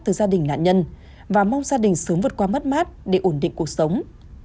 từ gia đình nạn nhân và mong gia đình sớm vượt qua mất mát để ổn định cuộc sống